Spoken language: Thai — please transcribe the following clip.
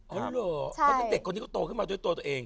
เขาเป็นเด็กคนที่โตขึ้นมาด้วยตัวตัวเอง